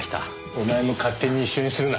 お前も勝手に一緒にするな。